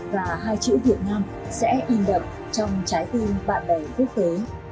và hai chữ việt nam sẽ in đậm trong trái tim bạn bè quốc tế